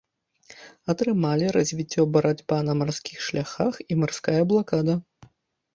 Атрымалі развіццё барацьба на марскіх шляхах і марская блакада.